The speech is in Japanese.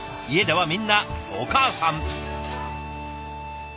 家ではみんなお母さん。